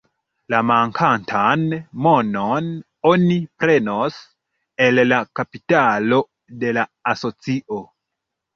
La mankantan monon oni prenos el la kapitalo de la asocio.